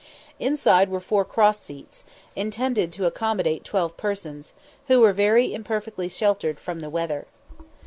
Inside were four cross seats, intended to accommodate twelve persons, who were very imperfectly sheltered from the weather.